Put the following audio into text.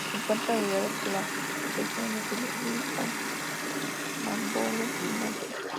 Se encuentra rodeado por las regiones de la West Coast, Marlborough y Nelson.